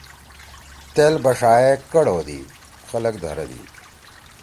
تیل بݜا یے کڑ ہودی۔ خلگ دھردی۔